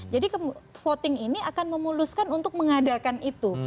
jadi voting ini akan memuluskan untuk mengadakan itu